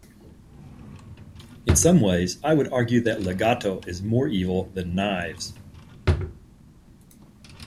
In some ways, I would argue that Legato is more evil than Knives.